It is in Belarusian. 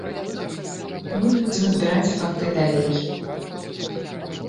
Мы будзем збіраць факты далей.